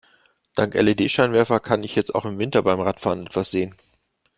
Dank LED-Scheinwerfer kann ich jetzt auch im Winter beim Radfahren etwas sehen.